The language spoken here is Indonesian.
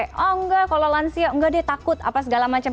oh enggak kalau lansia enggak deh takut apa segala macam